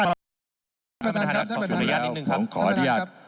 ขออนุญาตครับท่านประธานครับ